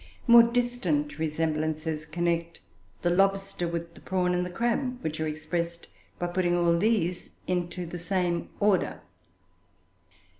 More distant resemblances connect the lobster with the prawn and the crab, which are expressed by putting all these into the same order.